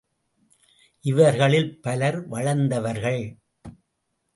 இவர்களில் பலர் வளர்ந்தவர்கள்.